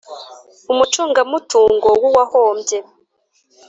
umucungamutungo w uwahombye